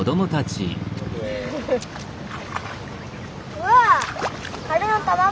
うわ！